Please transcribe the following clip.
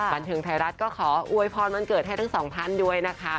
บันเทิงไทยรัฐก็ขออวยพรวันเกิดให้ทั้งสองท่านด้วยนะคะ